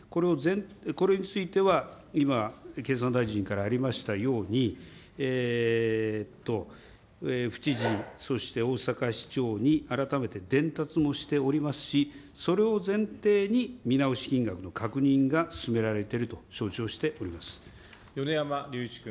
これについては今、経産大臣からありましたように、府知事、そして大阪市長に改めて伝達もしておりますし、それを前提に見直し金額の確認が進められていると承知をしており米山隆一君。